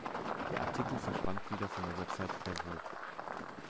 Der Artikel verschwand wieder von der Website der Vogue.